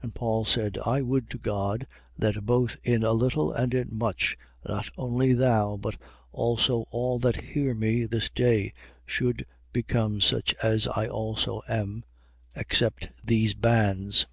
26:29. And Paul said: I would to God that both in a little and in much, not only thou, but also all that hear me this day, should become such as I also am, except these bands.